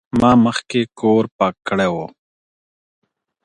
ما مخکي کور پاک کړی و.